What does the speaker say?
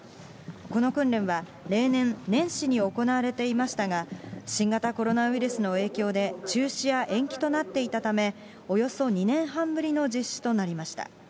この訓練は例年、年始に行われていましたが、新型コロナウイルスの影響で中止や延期となっていたため、およそ２年半ぶりの実施となりました。